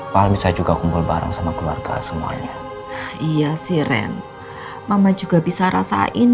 paling saya juga kumpul bareng sama keluarga semuanya iya sih ren mama juga bisa rasain